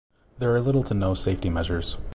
There are little to no safety measures.